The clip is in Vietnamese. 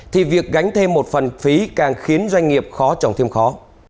thì việc gánh thêm một phần phí càng khiến doanh nghiệp khó trồng thêm khó